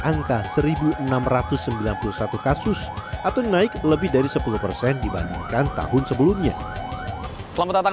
angka seribu enam ratus sembilan puluh satu kasus atau naik lebih dari sepuluh persen dibandingkan tahun sebelumnya selamat datang